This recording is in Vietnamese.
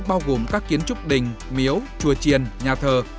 bao gồm các kiến trúc đình miếu chùa triền nhà thờ